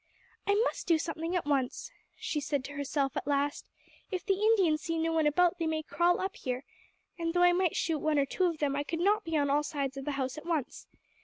"I must do something at once," she said to herself at last; "if the Indians see no one about they may crawl up here, and though I might shoot one or two of them, I could not be on all sides of the house at once.